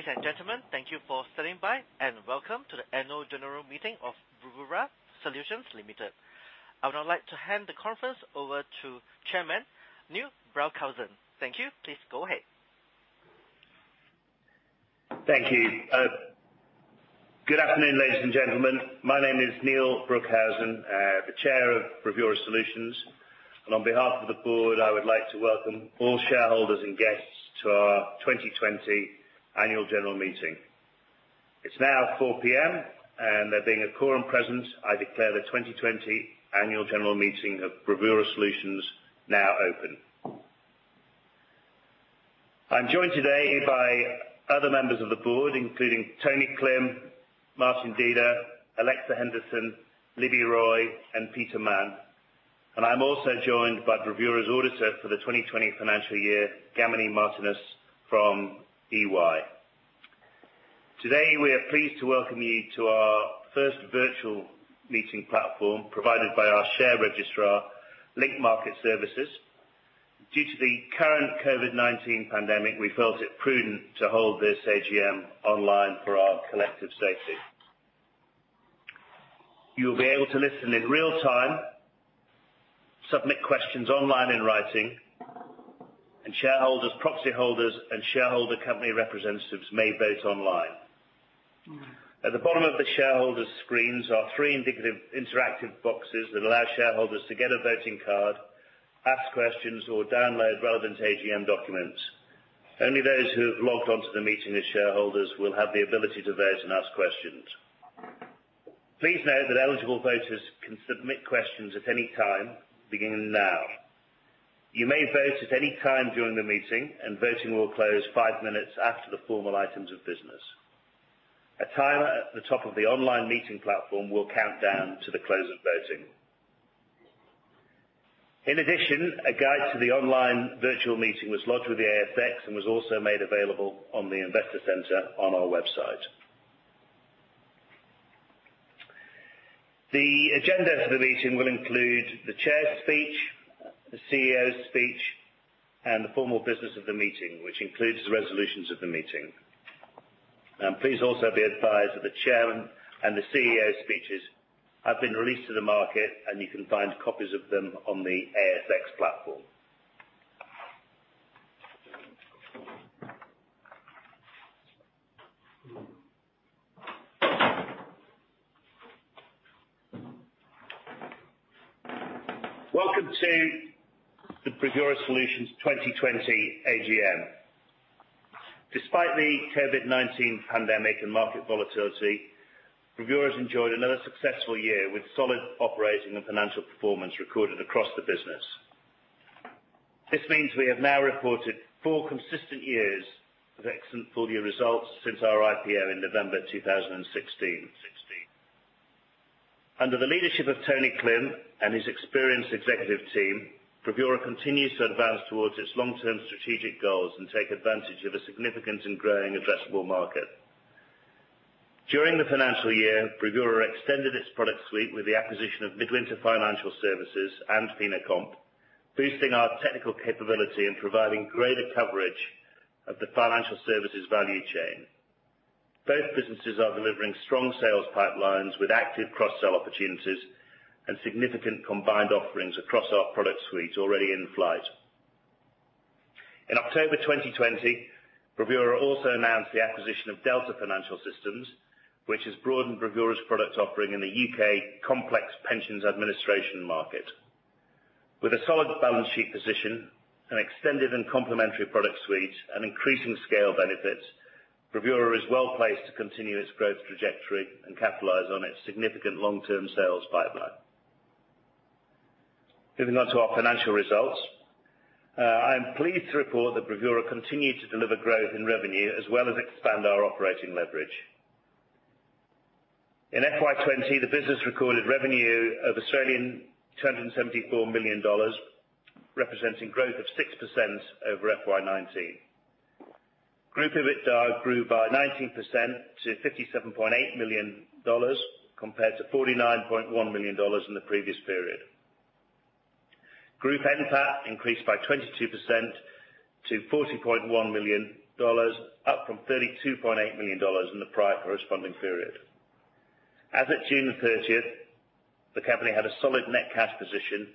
Ladies and gentlemen, thank you for standing by, and welcome to the Annual General Meeting of Bravura Solutions Limited. I would now like to hand the conference over to Chairman Neil Broekhuizen. Thank you. Please go ahead. Thank you. Good afternoon, ladies and gentlemen. My name is Neil Broekhuizen, the chair of Bravura Solutions, and on behalf of the board, I would like to welcome all shareholders and guests to our 2020 Annual General Meeting. It's now 4:00 P.M., and there being a quorum present, I declare the 2020 Annual General Meeting of Bravura Solutions now open. I'm joined today by other members of the board, including Tony Klim, Martin Deda, Alexa Henderson, Libby Roy, and Peter Mann. I'm also joined by Bravura's auditor for the 2020 financial year, Gamini Martinus from EY. Today, we are pleased to welcome you to our first virtual meeting platform provided by our share registrar, Link Market Services. Due to the current COVID-19 pandemic, we felt it prudent to hold this AGM online for our collective safety. You will be able to listen in real-time, submit questions online in writing, and shareholders, proxy holders, and shareholder company representatives may vote online. At the bottom of the shareholders' screens are three indicative interactive boxes that allow shareholders to get a voting card, ask questions, or download relevant AGM documents. Only those who have logged on to the meeting as shareholders will have the ability to vote and ask questions. Please note that eligible voters can submit questions at any time, beginning now. You may vote at any time during the meeting, and voting will close five minutes after the formal items of business. A timer at the top of the online meeting platform will count down to the close of voting. In addition, a guide to the online virtual meeting was lodged with the ASX and was also made available on the investor center on our website. The agenda for the meeting will include the chair's speech, the CEO's speech, and the formal business of the meeting, which includes the resolutions of the meeting. Please also be advised that the chairman and the CEO's speeches have been released to the market. You can find copies of them on the ASX platform. Welcome to the Bravura Solutions 2020 AGM. Despite the COVID-19 pandemic and market volatility, Bravura's enjoyed another successful year with solid operating and financial performance recorded across the business. This means we have now reported four consistent years of excellent full-year results since our IPO in November 2016. Under the leadership of Tony Klim and his experienced executive team, Bravura continues to advance towards its long-term strategic goals and take advantage of a significant and growing addressable market. During the financial year, Bravura extended its product suite with the acquisition of Midwinter Financial Services and FinoComp, boosting our technical capability and providing greater coverage of the financial services value chain. Both businesses are delivering strong sales pipelines with active cross-sell opportunities and significant combined offerings across our product suite already in flight. In October 2020, Bravura also announced the acquisition of Delta Financial Systems, which has broadened Bravura's product offering in the U.K. complex pensions administration market. With a solid balance sheet position, an extended and complementary product suite, and increasing scale benefits, Bravura is well-placed to continue its growth trajectory and capitalize on its significant long-term sales pipeline. Moving on to our financial results. I am pleased to report that Bravura continued to deliver growth in revenue as well as expand our operating leverage. In FY 2020, the business recorded revenue of 274 million Australian dollars, representing growth of 6% over FY 2019. Group EBITDA grew by 19% to 57.8 million dollars compared to 49.1 million dollars in the previous period. Group NPAT increased by 22% to 40.1 million dollars, up from 32.8 million dollars in the prior corresponding period. As of June 30th, the company had a solid net cash position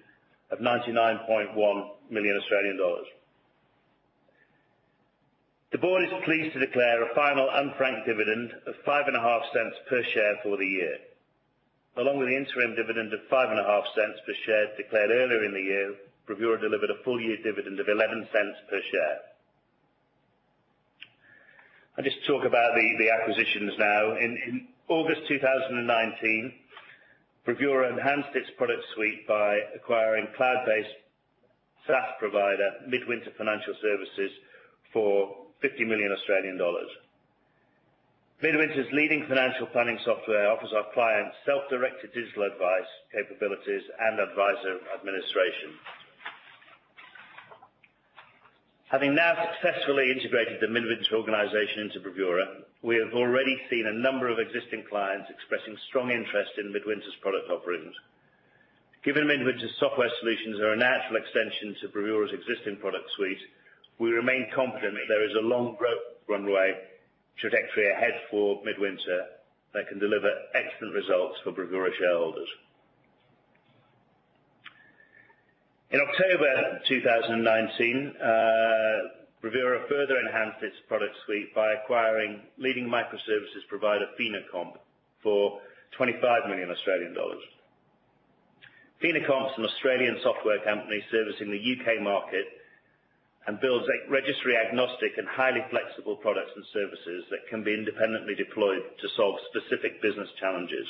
of 99.1 million Australian dollars. The board is pleased to declare a final unfranked dividend of 0.055 per share for the year. Along with the interim dividend of 0.055 per share declared earlier in the year, Bravura delivered a full-year dividend of 0.11 per share. I'll just talk about the acquisitions now. In August 2019, Bravura enhanced its product suite by acquiring cloud-based SaaS provider Midwinter Financial Services for 50 million Australian dollars. Midwinter's leading financial planning software offers our clients self-directed digital advice, capabilities, and advisor administration. Having now successfully integrated the Midwinter organization into Bravura, we have already seen a number of existing clients expressing strong interest in Midwinter's product offerings. Given Midwinter's software solutions are a natural extension to Bravura's existing product suite, we remain confident that there is a long growth runway trajectory ahead for Midwinter that can deliver excellent results for Bravura shareholders. In October 2019, Bravura further enhanced its product suite by acquiring leading microservices provider FinoComp for AUD 25 million. FinoComp is an Australian software company servicing the U.K. market and builds registry-agnostic and highly flexible products and services that can be independently deployed to solve specific business challenges.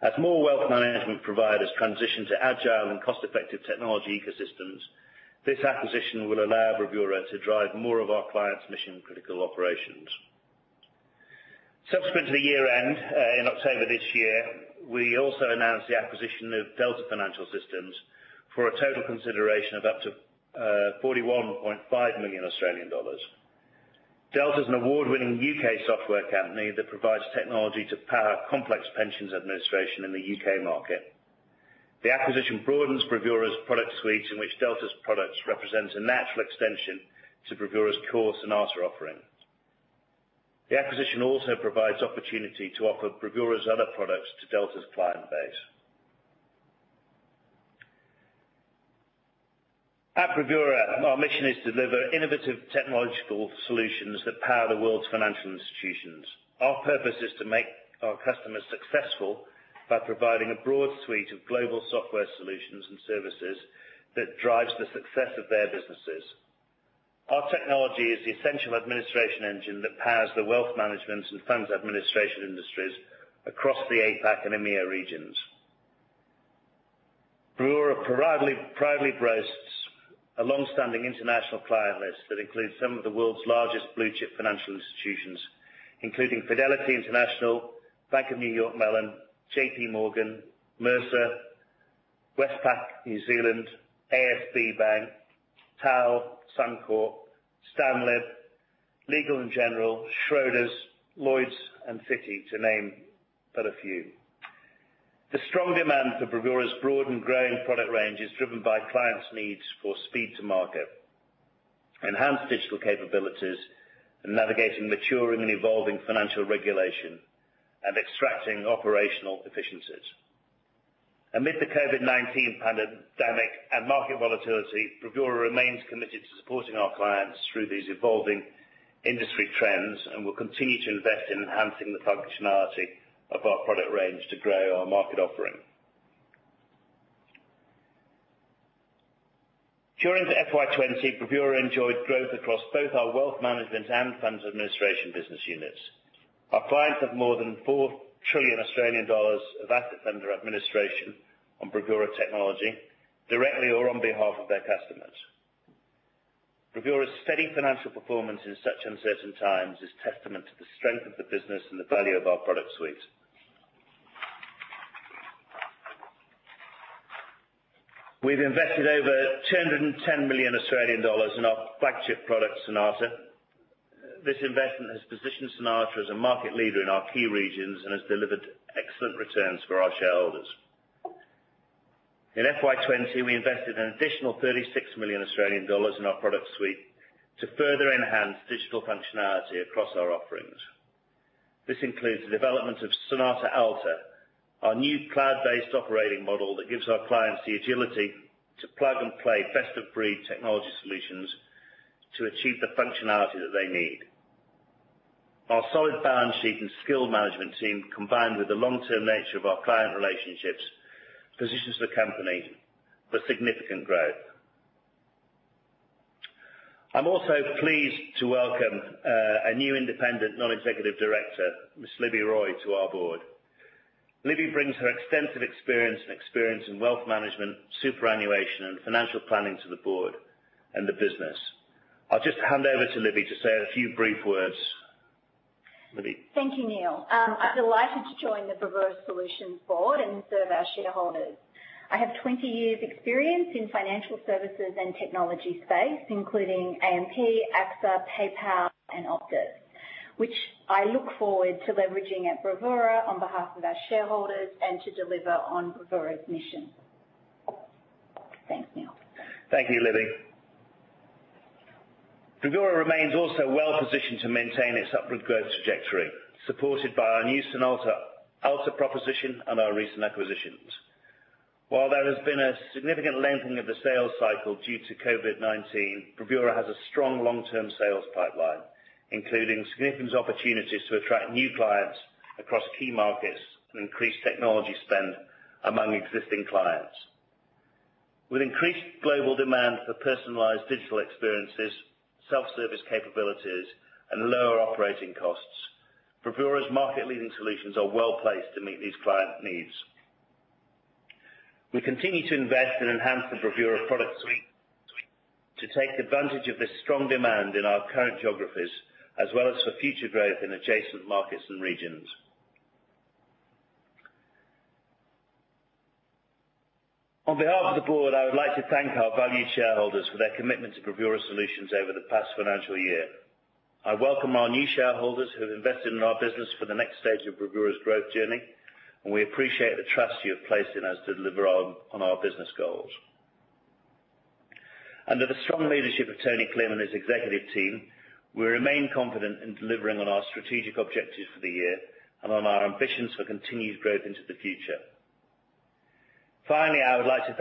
As more wealth management providers transition to agile and cost-effective technology ecosystems, this acquisition will allow Bravura to drive more of our clients' mission-critical operations. Subsequent to the year-end, in October this year, we also announced the acquisition of Delta Financial Systems for a total consideration of up to 41.5 million Australian dollars. Delta is an award-winning U.K. software company that provides technology to power complex pensions administration in the U.K. market. The acquisition broadens Bravura's product suite, in which Delta's products represent a natural extension to Bravura's core Sonata offering. The acquisition also provides opportunity to offer Bravura's other products to Delta's client base. At Bravura, our mission is to deliver innovative technological solutions that power the world's financial institutions. Our purpose is to make our customers successful by providing a broad suite of global software solutions and services that drives the success of their businesses. Our technology is the essential administration engine that powers the wealth management and funds administration industries across the APAC and EMEA regions. Bravura proudly boasts a long-standing international client list that includes some of the world's largest blue-chip financial institutions, including Fidelity International, Bank of New York Mellon, JPMorgan, Mercer, Westpac, New Zealand, ASB Bank, TAL, Suncorp, STANLIB, Legal & General, Schroders, Lloyds, and Citi, to name but a few. The strong demand for Bravura's broad and growing product range is driven by clients' needs for speed to market, enhanced digital capabilities, and navigating maturing and evolving financial regulation, and extracting operational efficiencies. Amid the COVID-19 pandemic and market volatility, Bravura remains committed to supporting our clients through these evolving industry trends and will continue to invest in enhancing the functionality of our product range to grow our market offering. During FY 2020, Bravura enjoyed growth across both our wealth management and funds administration business units. Our clients have more than 4 trillion Australian dollars of asset under administration on Bravura technology, directly or on behalf of their customers. Bravura's steady financial performance in such uncertain times is testament to the strength of the business and the value of our product suite. We've invested over 210 million Australian dollars in our flagship product, Sonata. This investment has positioned Sonata as a market leader in our key regions and has delivered excellent returns for our shareholders. In FY 2020, we invested an additional 36 million Australian dollars in our product suite to further enhance digital functionality across our offerings. This includes the development of Sonata Alta, our new cloud-based operating model that gives our clients the agility to plug and play best-of-breed technology solutions to achieve the functionality that they need. Our solid balance sheet and skilled management team, combined with the long-term nature of our client relationships, positions the company for significant growth. I'm also pleased to welcome a new independent non-executive director, Ms. Libby Roy, to our board. Libby brings her extensive experience in wealth management, superannuation, and financial planning to the board and the business. I'll just hand over to Libby to say a few brief words. Libby? Thank you, Neil. I'm delighted to join the Bravura Solutions board and serve our shareholders. I have 20 years experience in financial services and technology space, including AMP, AXA, PayPal, and Openpay, which I look forward to leveraging at Bravura on behalf of our shareholders and to deliver on Bravura's mission. Thanks, Neil. Thank you, Libby. Bravura remains also well-positioned to maintain its upward growth trajectory, supported by our new Sonata Alta proposition and our recent acquisitions. While there has been a significant lengthening of the sales cycle due to COVID-19, Bravura has a strong long-term sales pipeline, including significant opportunities to attract new clients across key markets and increase technology spend among existing clients. With increased global demand for personalized digital experiences, self-service capabilities, and lower operating costs, Bravura's market-leading solutions are well-placed to meet these client needs. We continue to invest and enhance the Bravura product suite to take advantage of this strong demand in our current geographies, as well as for future growth in adjacent markets and regions. On behalf of the board, I would like to thank our valued shareholders for their commitment to Bravura Solutions over the past financial year. I welcome our new shareholders who have invested in our business for the next stage of Bravura's growth journey, and we appreciate the trust you have placed in us to deliver on our business goals. Under the strong leadership of Tony Klim and his executive team, we remain confident in delivering on our strategic objectives for the year and on our ambitions for continued growth into the future. Finally, I would like to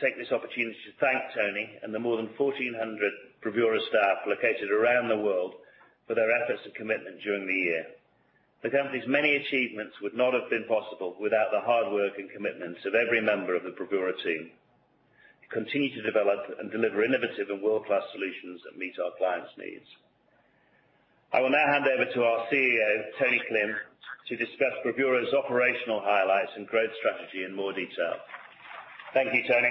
take this opportunity to thank Tony and the more than 1,400 Bravura staff located around the world for their efforts and commitment during the year. The company's many achievements would not have been possible without the hard work and commitment of every member of the Bravura team, who continue to develop and deliver innovative and world-class solutions that meet our clients' needs. I will now hand over to our CEO, Tony Klim, to discuss Bravura's operational highlights and growth strategy in more detail. Thank you, Tony.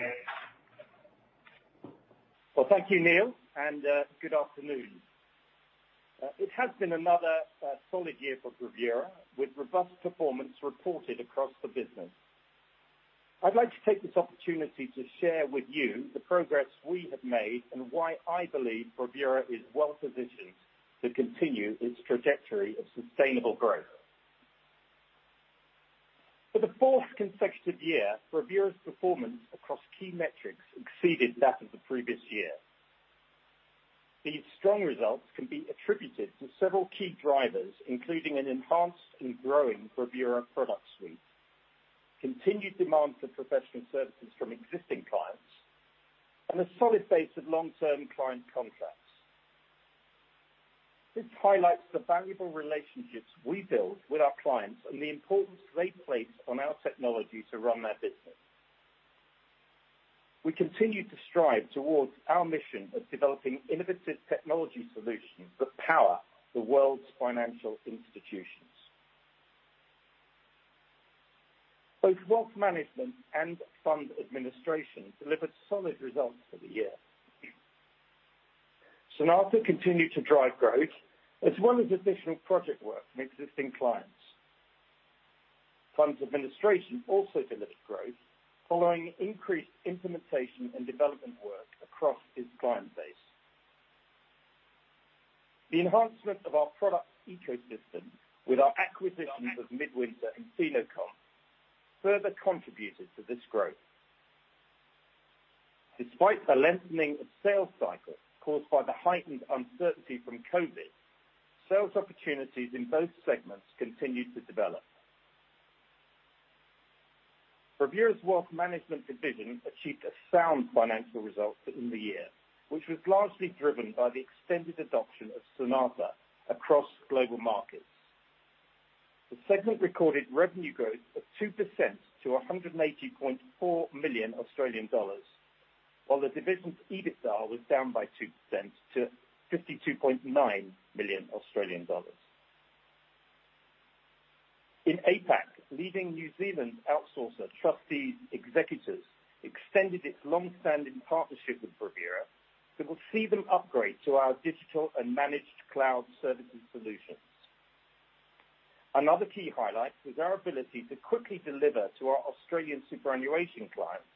Well, thank you, Neil, and good afternoon. It has been another solid year for Bravura, with robust performance reported across the business. I'd like to take this opportunity to share with you the progress we have made and why I believe Bravura is well-positioned to continue its trajectory of sustainable growth. For the fourth consecutive year, Bravura's performance across key metrics exceeded that of the previous year. These strong results can be attributed to several key drivers, including an enhanced and growing Bravura product suite, continued demand for professional services from existing clients, and a solid base of long-term client contracts. This highlights the valuable relationships we build with our clients and the importance they place on our technology to run their business. We continue to strive towards our mission of developing innovative technology solutions that power the world's financial institutions. Both wealth management and fund administration delivered solid results for the year. Sonata continued to drive growth as well as additional project work from existing clients. Funds administration also delivered growth following increased implementation and development work across its client base. The enhancement of our product ecosystem with our acquisitions of Midwinter and FinoComp further contributed to this growth. Despite the lengthening of sales cycles caused by the heightened uncertainty from COVID, sales opportunities in both segments continued to develop. Bravura's wealth management division achieved a sound financial result in the year, which was largely driven by the extended adoption of Sonata across global markets. The segment recorded revenue growth of 2% to 180.4 million Australian dollars, while the division's EBITDA was down by 2% to 52.9 million Australian dollars. In APAC, leading New Zealand outsourcer Trustees Executors extended its longstanding partnership with Bravura that will see them upgrade to our digital and managed cloud services solutions. Another key highlight was our ability to quickly deliver to our Australian superannuation clients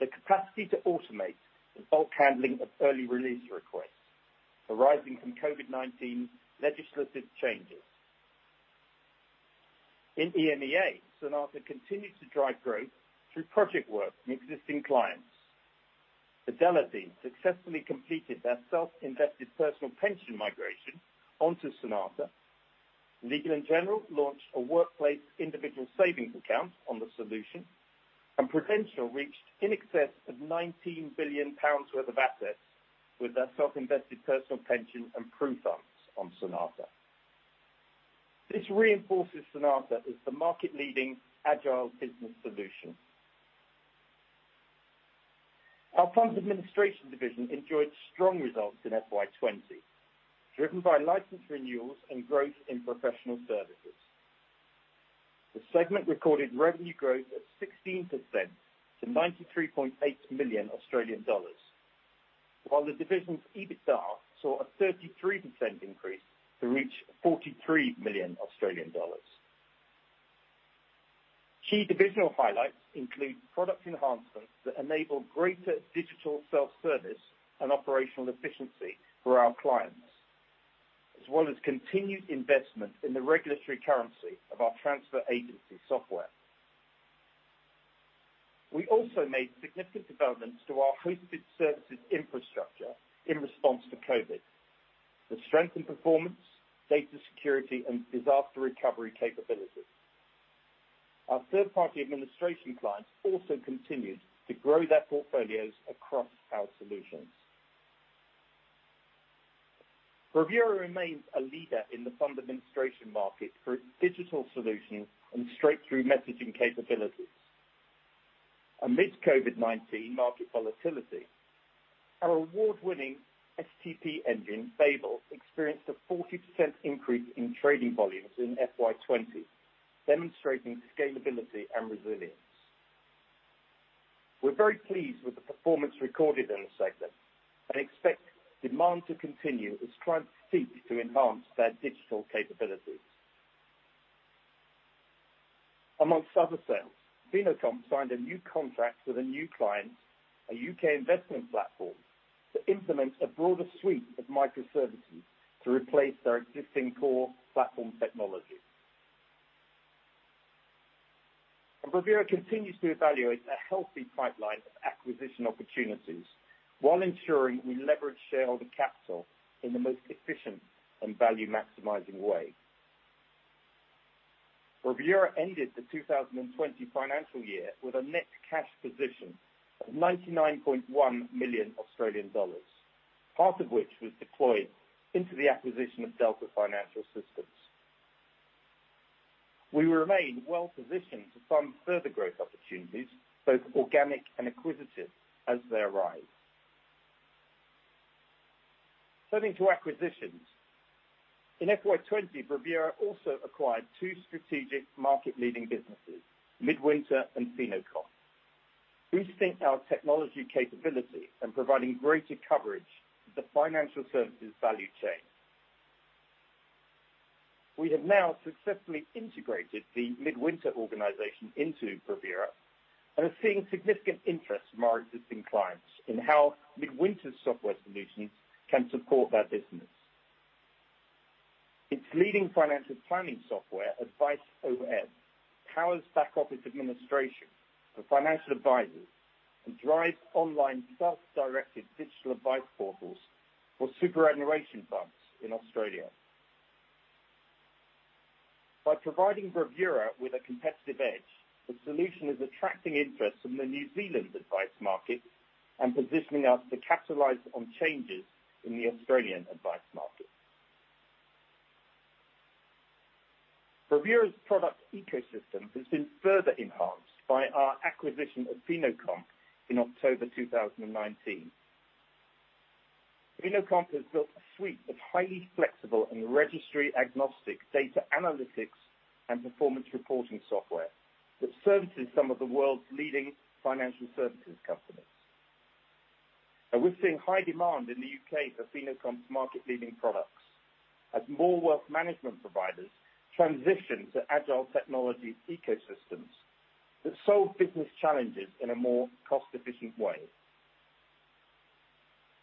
the capacity to automate the bulk handling of early release requests arising from COVID-19 legislative changes. In EMEA, Sonata continued to drive growth through project work from existing clients. Fidelity successfully completed their self-invested personal pension migration onto Sonata. Legal & General launched a workplace individual savings account on the solution, and Prudential reached in excess of 19 billion pounds worth of assets with their self-invested personal pension and pooled funds on Sonata. This reinforces Sonata as the market-leading agile business solution. Our funds administration division enjoyed strong results in FY 2020, driven by license renewals and growth in professional services. The segment recorded revenue growth of 16% to 93.8 million Australian dollars, while the division's EBITDA saw a 33% increase to reach AUD 43 million. Key divisional highlights include product enhancements that enable greater digital self-service and operational efficiency for our clients, as well as continued investment in the regulatory currency of our transfer agency software. We also made significant developments to our hosted services infrastructure in response to COVID to strengthen performance, data security, and disaster recovery capabilities. Our third-party administration clients also continued to grow their portfolios across our solutions. Bravura remains a leader in the fund administration market through its digital solutions and straight-through messaging capabilities. Amid COVID-19 market volatility, our award-winning STP engine, Babel, experienced a 40% increase in trading volumes in FY 2020, demonstrating scalability and resilience. We're very pleased with the performance recorded in the segment and expect demand to continue as clients seek to enhance their digital capabilities. Amongst other sales, FinoComp signed a new contract with a new client, a U.K. investment platform, to implement a broader suite of microservices to replace their existing core platform technology. Bravura continues to evaluate a healthy pipeline of acquisition opportunities while ensuring we leverage shareholder capital in the most efficient and value-maximizing way. Bravura ended the 2020 financial year with a net cash position of 99.1 million Australian dollars, part of which was deployed into the acquisition of Delta Financial Systems. We remain well-positioned to fund further growth opportunities, both organic and acquisitive, as they arise. Turning to acquisitions. In FY 2020, Bravura also acquired two strategic market-leading businesses, Midwinter and FinoComp, boosting our technology capability and providing greater coverage of the financial services value chain. We have now successfully integrated the Midwinter organization into Bravura and are seeing significant interest from our existing clients in how Midwinter's software solutions can support their business. Its leading financial planning software, AdviceOS, powers back-office administration for financial advisors and drives online self-directed digital advice portals for superannuation funds in Australia. By providing Bravura with a competitive edge, the solution is attracting interest from the New Zealand advice market and positioning us to capitalize on changes in the Australian advice market. Bravura's product ecosystem has been further enhanced by our acquisition of FinoComp in October 2019. FinoComp has built a suite of highly flexible and registry-agnostic data analytics and performance reporting software that services some of the world's leading financial services companies. We're seeing high demand in the U.K. for FinoComp's market-leading products as more wealth management providers transition to agile technology ecosystems that solve business challenges in a more cost-efficient way.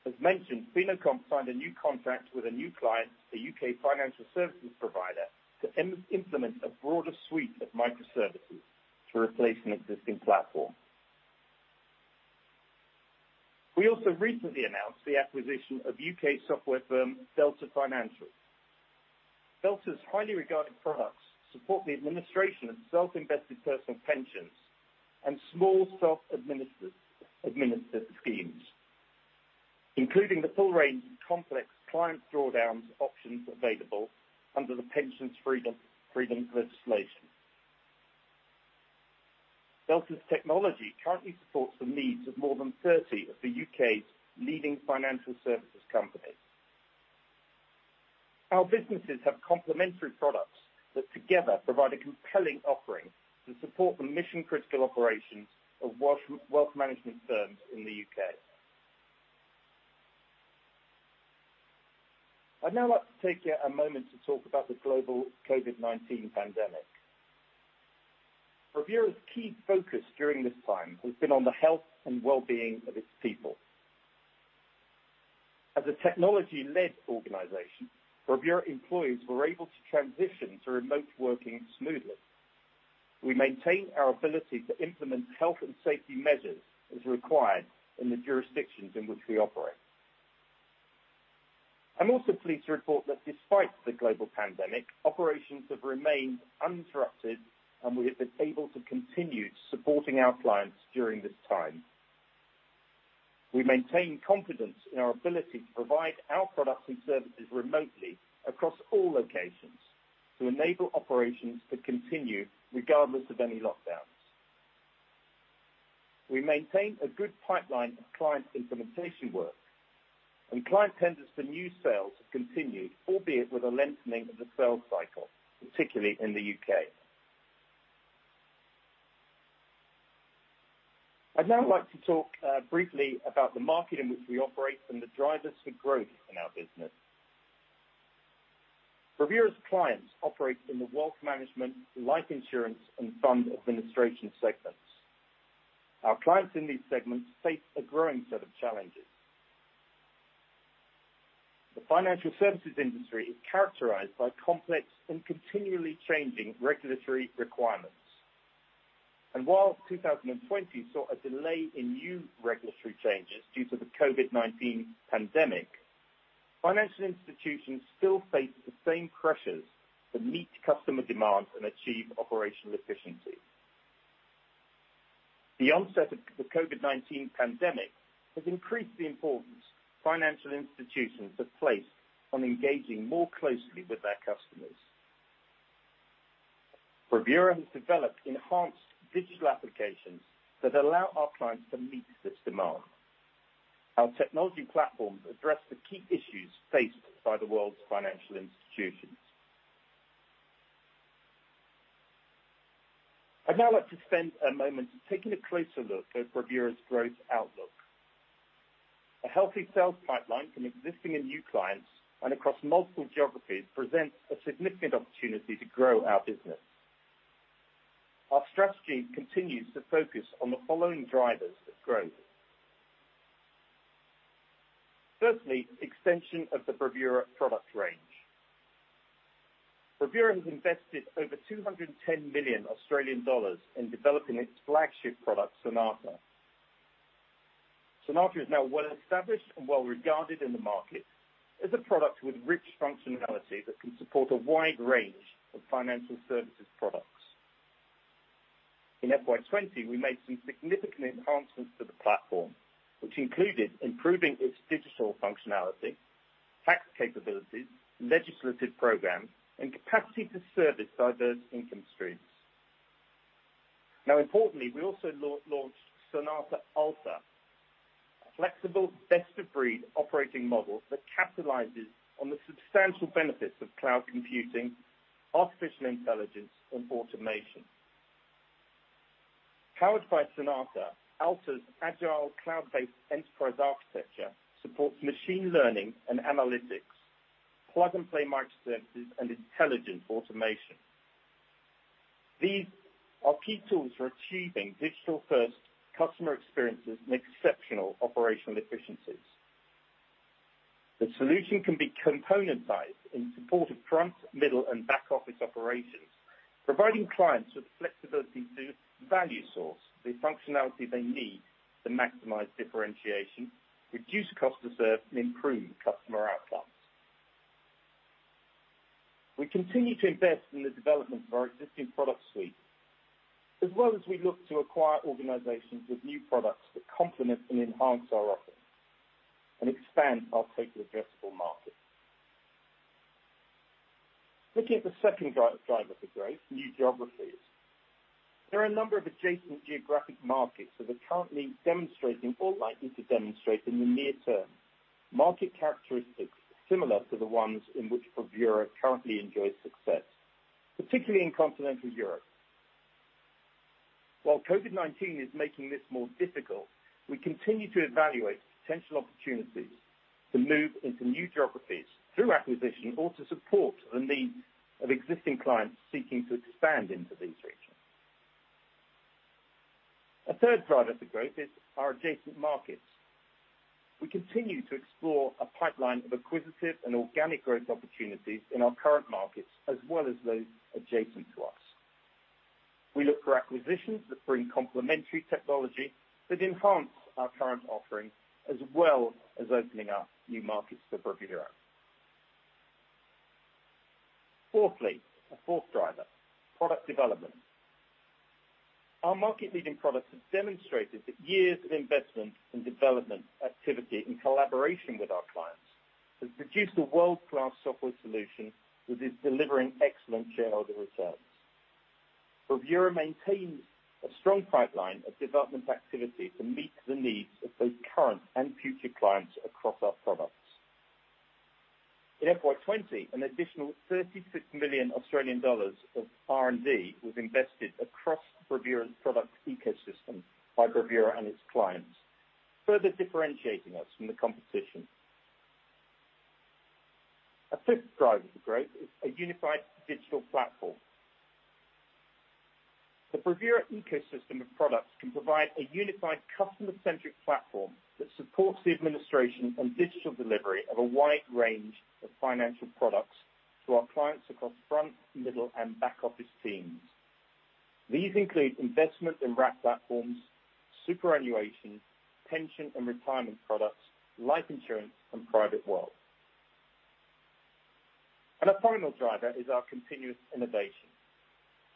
As mentioned, FinoComp signed a new contract with a new client, a U.K. financial services provider, to implement a broader suite of microservices to replace an existing platform. We also recently announced the acquisition of U.K. software firm Delta Financial. Delta's highly regarded products support the administration of self-invested personal pensions and small self-administered schemes, including the full range of complex client drawdowns options available under the pension freedoms legislation. Delta's technology currently supports the needs of more than 30 of the U.K.'s leading financial services companies. Our businesses have complementary products that together provide a compelling offering to support the mission-critical operations of wealth management firms in the U.K. I'd now like to take a moment to talk about the global COVID-19 pandemic. Bravura's key focus during this time has been on the health and well-being of its people. As a technology-led organization, Bravura employees were able to transition to remote working smoothly. We maintained our ability to implement health and safety measures as required in the jurisdictions in which we operate. I'm also pleased to report that despite the global pandemic, operations have remained uninterrupted, and we have been able to continue supporting our clients during this time. We maintain confidence in our ability to provide our products and services remotely across all locations to enable operations to continue regardless of any lockdowns. We maintained a good pipeline of client implementation work, and client tenders for new sales have continued, albeit with a lengthening of the sales cycle, particularly in the U.K. I'd now like to talk briefly about the market in which we operate and the drivers for growth in our business. Bravura's clients operate in the wealth management, life insurance, and fund administration segments. Our clients in these segments face a growing set of challenges. The financial services industry is characterized by complex and continually changing regulatory requirements. While 2020 saw a delay in new regulatory changes due to the COVID-19 pandemic, financial institutions still face the same pressures to meet customer demands and achieve operational efficiency. The onset of the COVID-19 pandemic has increased the importance financial institutions have placed on engaging more closely with their customers. Bravura has developed enhanced digital applications that allow our clients to meet this demand. Our technology platforms address the key issues faced by the world's financial institutions. I'd now like to spend a moment taking a closer look at Bravura's growth outlook. A healthy sales pipeline from existing and new clients and across multiple geographies presents a significant opportunity to grow our business. Our strategy continues to focus on the following drivers of growth. Firstly, extension of the Bravura product range. Bravura has invested over 210 million Australian dollars in developing its flagship product, Sonata. Sonata is now well-established and well-regarded in the market as a product with rich functionality that can support a wide range of financial services products. In FY 2020, we made some significant enhancements to the platform, which included improving its digital functionality, tax capabilities, legislative programs, and capacity to service diverse income streams. Importantly, we also launched Sonata Alta, a flexible best-of-breed operating model that capitalizes on the substantial benefits of cloud computing, artificial intelligence, and automation. Powered by Sonata Alta's agile cloud-based enterprise architecture supports machine learning and analytics, plug-and-play microservices, and intelligent automation. These are key tools for achieving digital-first customer experiences and exceptional operational efficiencies. The solution can be componentized in support of front, middle, and back office operations, providing clients with the flexibility to value source the functionality they need to maximize differentiation, reduce cost to serve, and improve customer outcomes. We continue to invest in the development of our existing product suite, as well as we look to acquire organizations with new products that complement and enhance our offering and expand our total addressable market. Looking at the second driver for growth, new geographies. There are a number of adjacent geographic markets that are currently demonstrating or likely to demonstrate in the near term market characteristics similar to the ones in which Bravura currently enjoys success, particularly in continental Europe. While COVID-19 is making this more difficult, we continue to evaluate potential opportunities to move into new geographies through acquisition or to support the needs of existing clients seeking to expand into these regions. A third driver for growth is our adjacent markets. We continue to explore a pipeline of acquisitive and organic growth opportunities in our current markets as well as those adjacent to us. We look for acquisitions that bring complementary technology that enhance our current offering as well as opening up new markets to Bravura. Fourthly, a fourth driver, product development. Our market-leading products have demonstrated that years of investment and development activity in collaboration with our clients has produced a world-class software solution that is delivering excellent shareholder returns. Bravura maintains a strong pipeline of development activity to meet the needs of both current and future clients across our products. In FY 2020, an additional 36 million Australian dollars of R&D was invested across Bravura's product ecosystem by Bravura and its clients, further differentiating us from the competition. A fifth driver for growth is a unified digital platform. The Bravura ecosystem of products can provide a unified customer-centric platform that supports the administration and digital delivery of a wide range of financial products to our clients across front, middle, and back office teams. These include investment in wrap platforms, superannuation, pension and retirement products, life insurance, and private wealth. A final driver is our continuous innovation.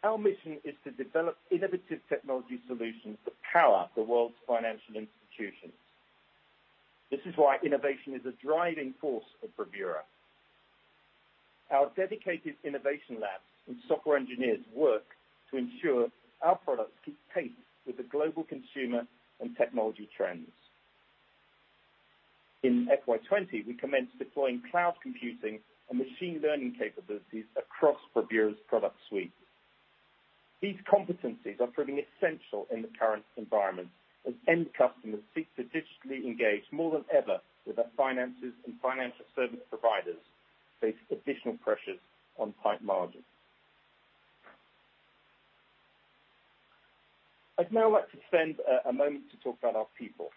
Our mission is to develop innovative technology solutions that power the world's financial institutions. This is why innovation is a driving force of Bravura. Our dedicated innovation labs and software engineers work to ensure our products keep pace with the global consumer and technology trends. In FY 2020, we commenced deploying cloud computing and machine learning capabilities across Bravura's product suite. These competencies are proving essential in the current environment as end customers seek to digitally engage more than ever with their finances and financial service providers face additional pressures on tight margins. I'd now like to spend a moment to talk about our people.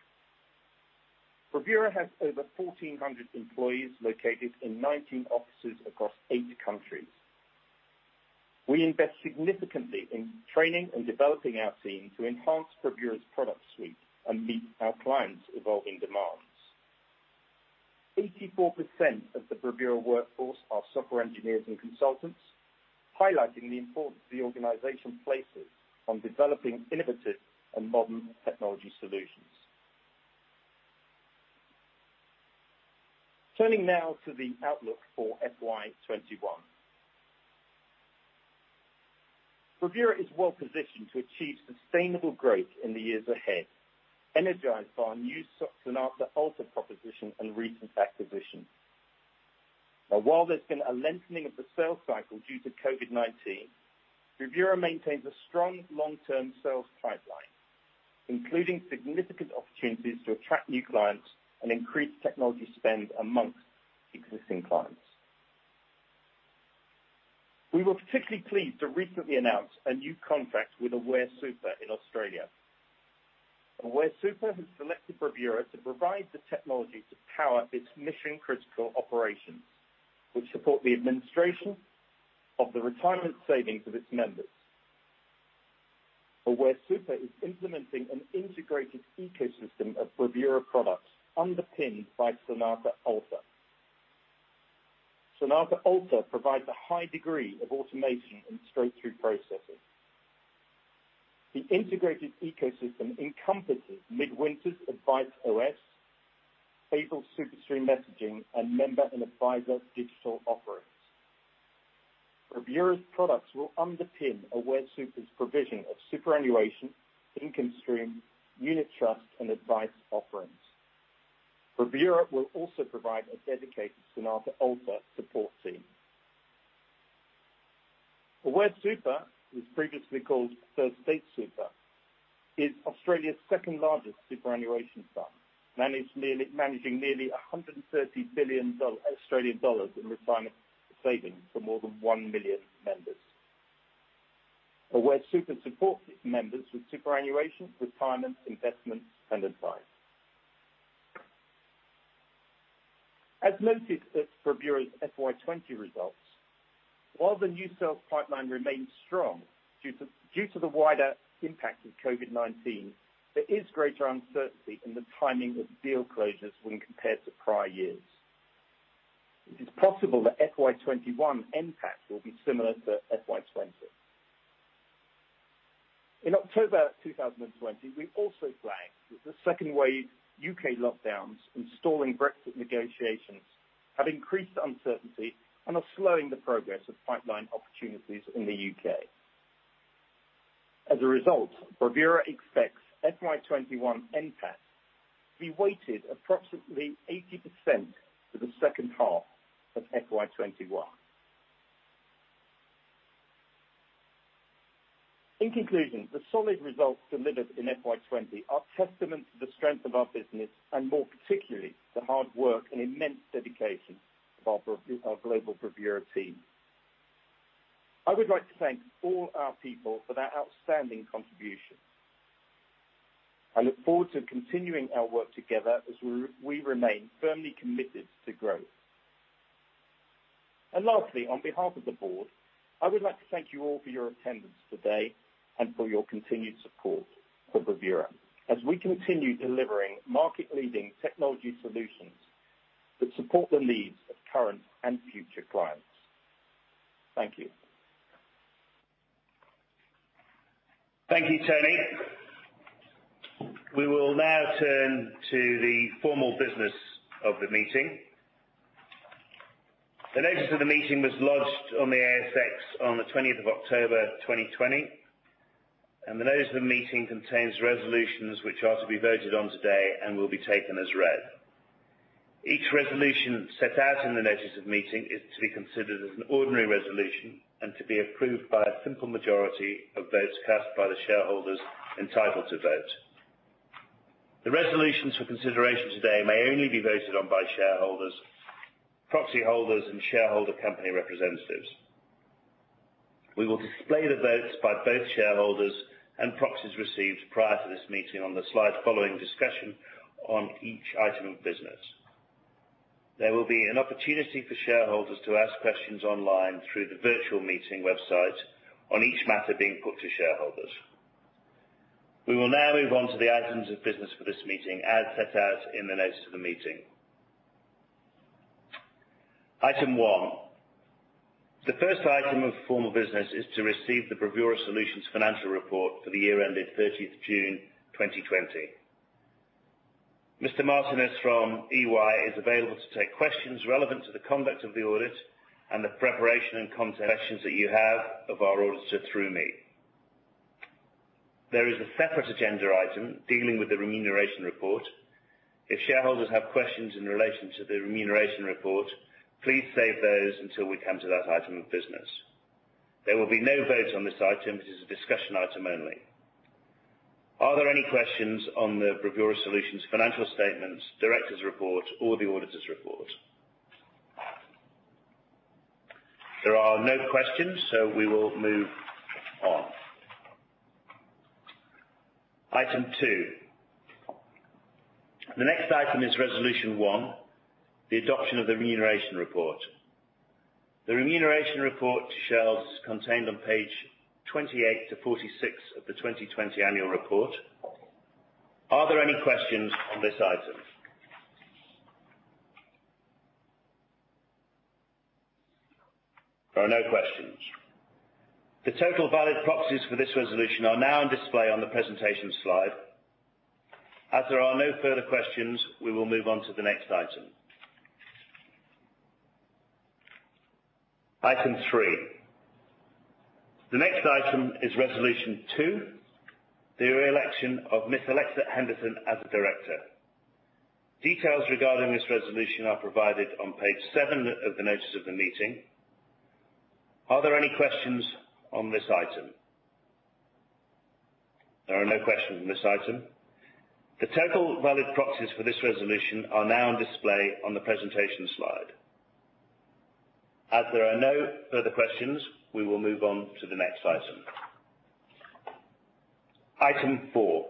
Bravura has over 1,400 employees located in 19 offices across eight countries. We invest significantly in training and developing our team to enhance Bravura's product suite and meet our clients' evolving demands. 84% of the Bravura workforce are software engineers and consultants, highlighting the importance the organization places on developing innovative and modern technology solutions. Turning now to the outlook for FY 2021. Bravura is well positioned to achieve sustainable growth in the years ahead, energized by our new Sonata Alta proposition and recent acquisition. While there's been a lengthening of the sales cycle due to COVID-19, Bravura maintains a strong long-term sales pipeline, including significant opportunities to attract new clients and increase technology spend amongst existing clients. We were particularly pleased to recently announce a new contract with Aware Super in Australia. Aware Super has selected Bravura to provide the technology to power its mission-critical operations, which support the administration of the retirement savings of its members. Aware Super is implementing an integrated ecosystem of Bravura products underpinned by Sonata Alta. Sonata Alta provides a high degree of automation and straight-through processing. The integrated ecosystem encompasses Midwinter's AdviceOS, APRA SuperStream messaging, and member and advisor digital offerings. Bravura's products will underpin Aware Super's provision of superannuation, income stream, unit trust, and advice offerings. Bravura will also provide a dedicated Sonata Alta support team. Aware Super, was previously called First State Super, is Australia's second-largest superannuation fund, managing nearly 130 billion Australian dollars in retirement savings for more than 1 million members. Aware Super supports its members with superannuation, retirement, investments, and advice. As noted at Bravura's FY 2020 results, while the new sales pipeline remains strong, due to the wider impact of COVID-19, there is greater uncertainty in the timing of deal closures when compared to prior years. It is possible that FY 2021 NPAT will be similar to FY 2020. In October 2020, we also flagged that the second-wave U.K. lockdowns and stalling Brexit negotiations have increased uncertainty and are slowing the progress of pipeline opportunities in the U.K. As a result, Bravura expects FY 2021 NPAT to be weighted approximately 80% to the second half of FY 2021. In conclusion, the solid results delivered in FY 2020 are testament to the strength of our business and, more particularly, the hard work and immense dedication of our global Bravura team. I would like to thank all our people for their outstanding contribution. I look forward to continuing our work together as we remain firmly committed to growth. Lastly, on behalf of the board, I would like to thank you all for your attendance today and for your continued support for Bravura as we continue delivering market-leading technology solutions that support the needs of current and future clients. Thank you. Thank you, Tony. We will now turn to the formal business of the meeting. The notice of the meeting was lodged on the ASX on the 20th of October 2020, and the notice of the meeting contains resolutions which are to be voted on today and will be taken as read. Each resolution set out in the notice of meeting is to be considered as an ordinary resolution and to be approved by a simple majority of votes cast by the shareholders entitled to vote. The resolutions for consideration today may only be voted on by shareholders, proxy holders, and shareholder company representatives. We will display the votes by both shareholders and proxies received prior to this meeting on the slide following discussion on each item of business. There will be an opportunity for shareholders to ask questions online through the virtual meeting website on each matter being put to shareholders. We will now move on to the items of business for this meeting, as set out in the notice of the meeting. Item one. The first item of formal business is to receive the Bravura Solutions financial report for the year ended 30th June 2020. Mr. Martinus from EY is available to take questions relevant to the conduct of the audit and the preparation and questions that you have of our auditor through me. There is a separate agenda item dealing with the remuneration report. If shareholders have questions in relation to the remuneration report, please save those until we come to that item of business. There will be no vote on this item. It is a discussion item only. Are there any questions on the Bravura Solutions financial statements, directors report, or the auditors report? There are no questions. We will move on. Item two. The next item is Resolution 1, the adoption of the remuneration report. The remuneration report contained on page 28-46 of the 2020 annual report. Are there any questions on this item? There are no questions. The total valid proxies for this resolution are now on display on the presentation slide. There are no further questions. We will move on to the next item. Item three. The next item is Resolution 2, the re-election of Ms. Alexa Henderson as a director. Details regarding this resolution are provided on page seven of the notice of the meeting. Are there any questions on this item? There are no questions on this item. The total valid proxies for this resolution are now on display on the presentation slide. As there are no further questions, we will move on to the next item. Item four.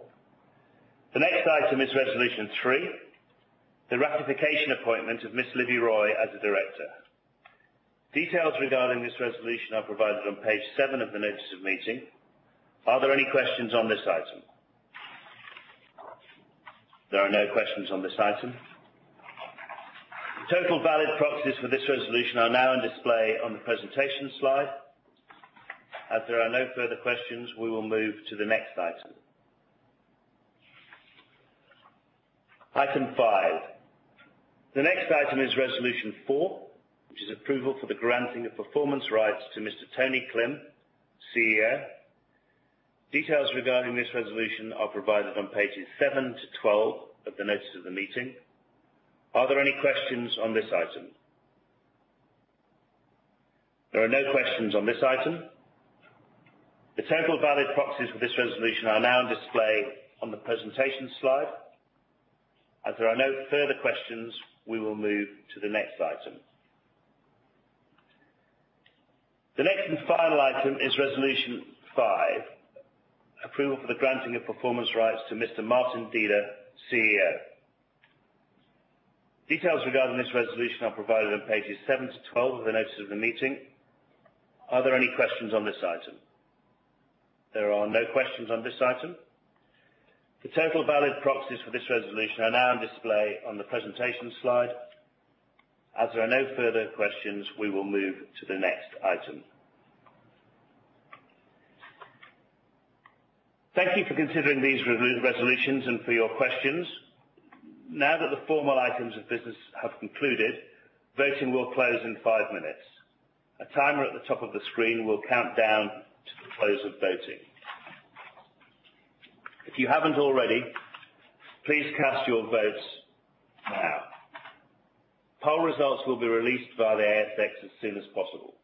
The next item is Resolution 3, the ratification appointment of Ms. Libby Roy as a director. Details regarding this resolution are provided on page seven of the notice of meeting. Are there any questions on this item? There are no questions on this item. The total valid proxies for this resolution are now on display on the presentation slide. As there are no further questions, we will move to the next item. Item five. The next item is Resolution 4, which is approval for the granting of performance rights to Mr. Tony Klim, CEO. Details regarding this resolution are provided on pages 7-12 of the notice of the meeting. Are there any questions on this item? There are no questions on this item. The total valid proxies for this resolution are now on display on the presentation slide. As there are no further questions, we will move to the next item. The next and final item is Resolution 5, approval for the granting of performance rights to Mr. Martin Deda, CEO. Details regarding this resolution are provided on pages 7-12 of the notice of the meeting. Are there any questions on this item? There are no questions on this item. The total valid proxies for this resolution are now on display on the presentation slide. As there are no further questions, we will move to the next item. Thank you for considering these resolutions and for your questions. Now that the formal items of business have concluded, voting will close in five minutes. A timer at the top of the screen will count down to the close of voting. If you haven't already, please cast your votes now. Poll results will be released via the ASX as soon as possible.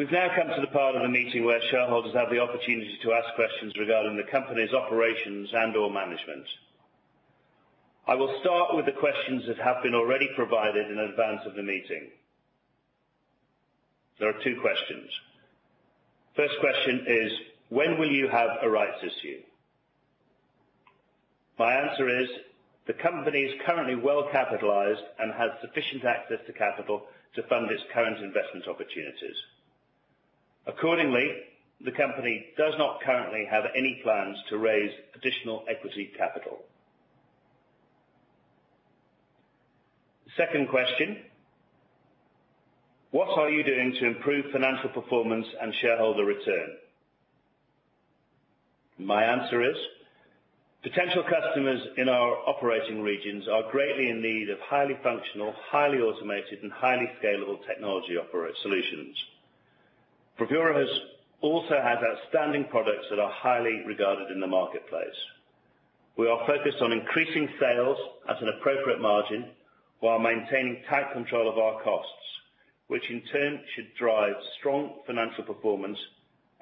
We've now come to the part of the meeting where shareholders have the opportunity to ask questions regarding the company's operations and/or management. I will start with the questions that have been already provided in advance of the meeting. There are two questions. First question is, when will you have a rights issue? My answer is, the company is currently well capitalized and has sufficient access to capital to fund its current investment opportunities. Accordingly, the company does not currently have any plans to raise additional equity capital. Second question: What are you doing to improve financial performance and shareholder return? My answer is, potential customers in our operating regions are greatly in need of highly functional, highly automated, and highly scalable technology operate solutions. Bravura also has outstanding products that are highly regarded in the marketplace. We are focused on increasing sales at an appropriate margin while maintaining tight control of our costs, which in turn should drive strong financial performance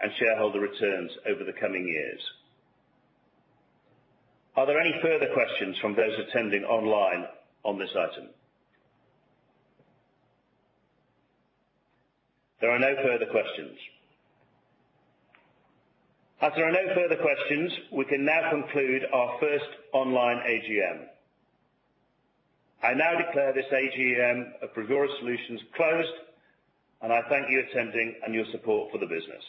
and shareholder returns over the coming years. Are there any further questions from those attending online on this item? There are no further questions. As there are no further questions, we can now conclude our first online AGM. I now declare this AGM of Bravura Solutions closed, and I thank you attending and your support for the business.